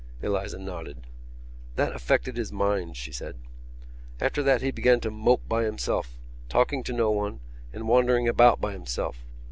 Eliza nodded. "That affected his mind," she said. "After that he began to mope by himself, talking to no one and wandering about by himself.